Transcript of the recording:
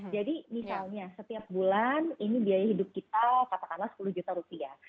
jadi misalnya setiap bulan ini biaya hidup kita katakanlah sepuluh juta rupiah